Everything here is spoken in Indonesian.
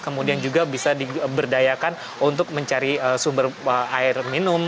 kemudian juga bisa diberdayakan untuk mencari sumber air minum